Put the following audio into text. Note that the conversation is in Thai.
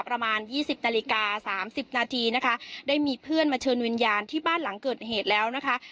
ประมาณยี่สิบนาฬิกาสามสิบนาทีนะคะได้มีเพื่อนมาเชิญวิญญาณที่บ้านหลังเกิดเหตุแล้วนะคะ